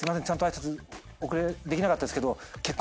ちゃんと挨拶できなかったですけど。